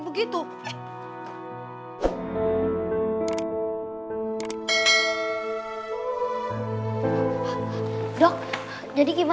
dok jadi gimana keadaan bapak saya